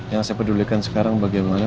yang saya pedulikan sekarang bagaimana